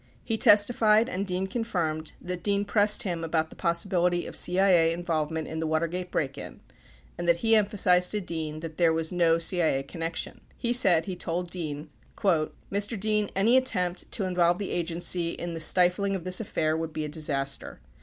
He testified, and Dean confirmed, that Dean pressed him about the possibility of CIA involvement in the Watergate break in and that he emphasized to Dean that there was no CIA connection. He said he told Dean : Mr. Dean, any attempt to involve the Agency in the stifling of this affair would be a disaster.